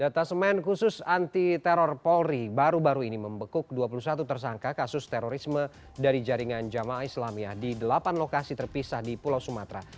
data semen khusus anti teror polri baru baru ini membekuk dua puluh satu tersangka kasus terorisme dari jaringan jamaah islamiyah di delapan lokasi terpisah di pulau sumatera